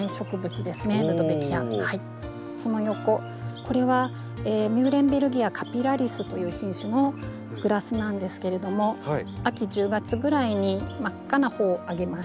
その横これはミューレンベルギア・カピラリスという品種のグラスなんですけれども秋１０月ぐらいに真っ赤な穂を上げます。